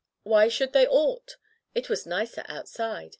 Why should they ought? It was nicer outside.